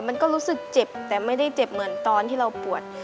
มันก็รู้สึกเจ็บแต่ไม่ได้เจ็บเหมือนตอนที่เราปวด